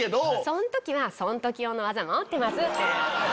その時はその時用の技持ってます！